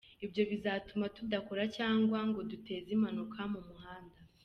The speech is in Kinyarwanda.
Ibyo bizatuma tudakora cyangwa ngo duteze impanuka mu muhanda."